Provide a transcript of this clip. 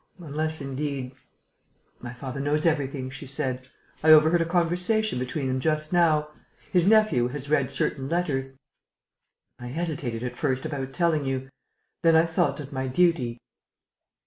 Unless, indeed...." "My father knows everything," she said. "I overheard a conversation between them just now. His nephew has read certain letters.... I hesitated at first about telling you.... Then I thought that my duty...."